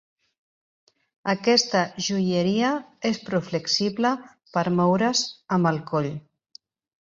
Aquesta joieria és prou flexible per moure's amb el coll.